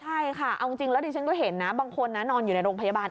ใช่ค่ะเอาจริงแล้วดิฉันก็เห็นนะบางคนนะนอนอยู่ในโรงพยาบาล